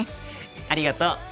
ありがとう。